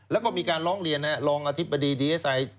ลองเรียนน่ะลองอธิบดีดีเอสไซค์